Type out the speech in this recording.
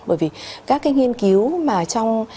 bởi vì các cái nghiên cứu mà trong